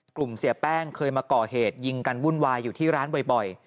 เสียแป้งเคยมาก่อเหตุยิงกันวุ่นวายอยู่ที่ร้านบ่อย